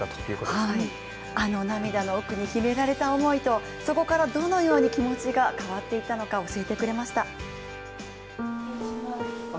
はい、あの涙の奥に秘められた思いとそこからどのように気持ちが変わっていったのか教えてくれました。